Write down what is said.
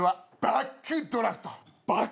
バックドラフト？